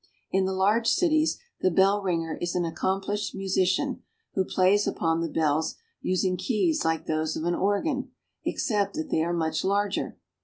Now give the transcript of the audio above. In the large cities the bell ringer is an accom plished musician, who plays upon the bells, using keys like those of an organ, except that they are much larger.